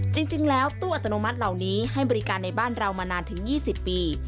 จริงแล้วตู้อัตโนมัติเหล่านี้ให้บริการในบ้านเรามานานถึง๒๐ปี